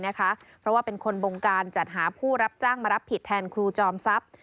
เพราะว่าเป็นคนบงการจัดหาผู้รับจ้างมารับผิดแทนครูจอมทรัพย์